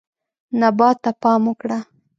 نبات ته پام وکړه.